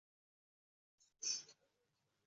Erning o‘z ayoli ustidagi eng birinchi haqqi bu.